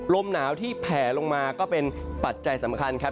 ลมหนาวที่แผ่ลงมาก็เป็นปัจจัยสำคัญครับ